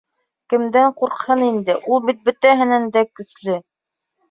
Кемдән ҡурҡһын инде, ул бит бөтәһенән дә көслө.